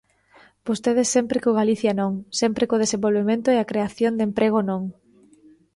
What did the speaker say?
Vostedes sempre co Galicia non, sempre co desenvolvemento e a creación de emprego non.